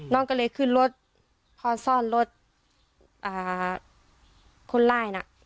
น้องก็เลยขึ้นรถพอซ่อนรถคนร้ายน่ะ